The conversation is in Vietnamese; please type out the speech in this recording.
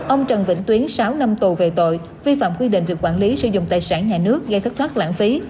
ông trần vĩnh tuyến sáu năm tù về tội vi phạm quy định về quản lý sử dụng tài sản nhà nước gây thất thoát lãng phí